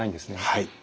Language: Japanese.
はい。